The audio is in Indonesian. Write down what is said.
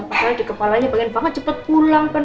padahal di kepalanya pengen banget cepat pulang kan